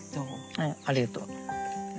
はいありがとう。